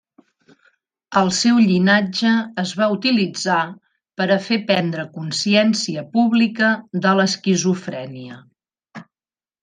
El seu llinatge es va utilitzar per a fer prendre consciència pública de l'esquizofrènia.